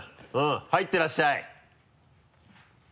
入ってらっしゃい。